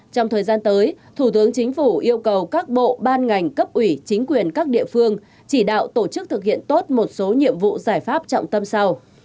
trong thời gian tới thủ tướng chính phủ yêu cầu các bộ ban ngành cấp ủy chính quyền các địa phương chỉ đạo tổ chức thực hiện tốt một số nhiệm vụ giải pháp trọng tâm sau